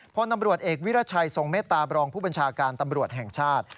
พลตำรวจเอกวิรัชัยทรงเมตตาบรองผู้บัญชาการตำรวจแห่งชาติ